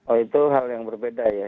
oh itu hal yang berbeda ya